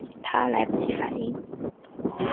她来不及反应